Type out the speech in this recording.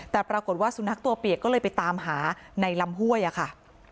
แต่ปรากฏว่าสุนัขตัวเปียกก็เลยไปตามหาในลำห้วยอะค่ะ